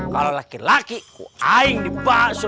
kalau laki laki ku aing dibaksuh